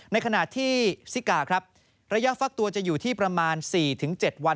ในขณะที่ซิกาครับระยะฟักตัวจะอยู่ที่ประมาณ๔๗วัน